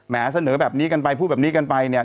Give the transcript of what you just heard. เสนอแบบนี้กันไปพูดแบบนี้กันไปเนี่ย